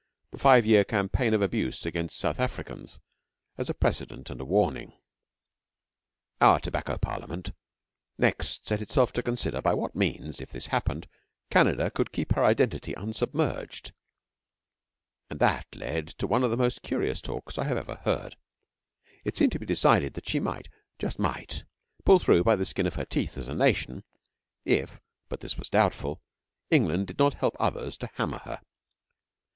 the five year campaign of abuse against South Africans as a precedent and a warning. [Footnote 3: Boer 'war' of 1899 1902.] Our Tobacco Parliament next set itself to consider by what means, if this happened, Canada could keep her identity unsubmerged; and that led to one of the most curious talks I have ever heard. It seemed to be decided that she might just might pull through by the skin of her teeth as a nation if (but this was doubtful) England did not help others to hammer her.